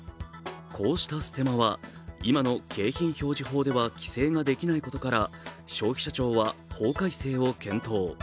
こうしたステマは今の景品表示法では規制ができないことから消費者庁は法改正を検討。